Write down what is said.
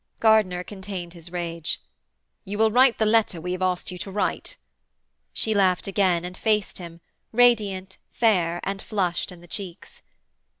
Gardiner contained his rage. 'You will write the letter we have asked you to write?' She laughed again, and faced him, radiant, fair and flushed in the cheeks.